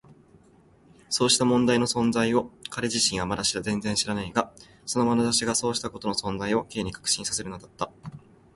そうした問題の存在を彼自身はまだ全然知らないが、そのまなざしがそうしたことの存在を Ｋ に確信させるのだった。